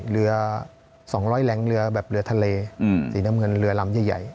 เรือสองร้อยแหลงเรือแบบเรือทะเลอืมสีน้ำเงินเรือลำใหญ่ใหญ่